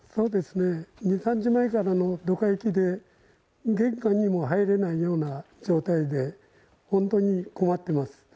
２、３日前からのどか雪で、玄関にも入れないような状態で、本当に困ってます。